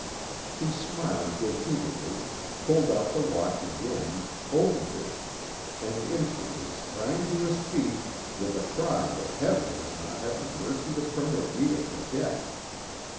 He smiled good humoredly, pulled out the watch again, opened it, and instantly sprang to his feet with a cry that Heaven has not had the mercy to permit me to forget!